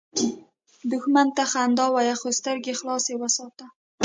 دښمن ته خندا وایه، خو سترګې خلاصه وساته